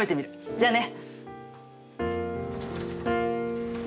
じゃあね。